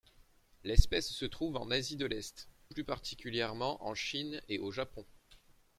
L'espèce se trouve en Asie de l'est, plus particulièrement en Chine et au Japon.